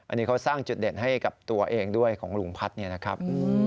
อันนี้เขาสร้างจุดเด่นให้กับตัวเองด้วยของลุงพัฒน์เนี่ยนะครับ